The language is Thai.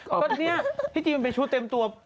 ก็นี่พี่จีบนไปชูเต็มตัว